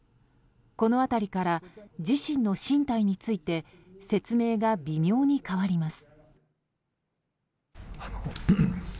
この辺りから自身の進退について説明が微妙に変わります。